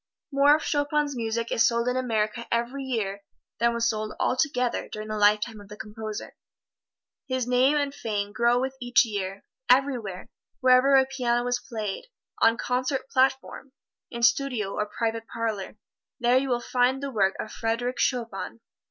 More of Chopin's music is sold in America every year than was sold altogether during the lifetime of the composer. His name and fame grow with each year. Everywhere wherever a piano is played on concert platform, in studio or private parlor, there you will find the work of Frederic Chopin.